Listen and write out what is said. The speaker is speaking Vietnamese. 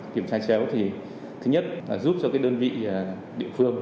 kiểm tra chéo thì thứ nhất là giúp cho cái đơn vị địa phương